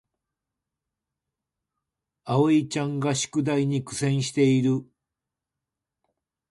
あおいちゃんが宿題に苦戦している